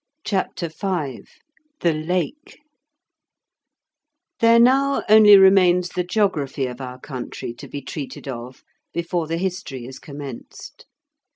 CHAPTER V THE LAKE There now only remains the geography of our country to be treated of before the history is commenced.